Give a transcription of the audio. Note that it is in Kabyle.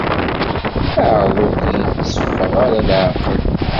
Ɛreḍ ur k-yetteffeɣ ara leɛqel.